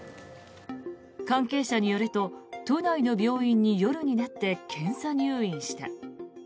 関係者によると都内の病院に夜になって検査入院した。